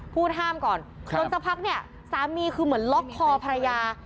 พูดห้ามก่อนจนสักพักเนี่ยสามีคือเหมือนล็อกคอภรรยา